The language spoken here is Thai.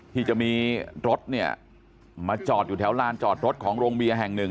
ที่จะมีรถเนี่ยมาจอดอยู่แถวลานจอดรถของโรงเบียร์แห่งหนึ่ง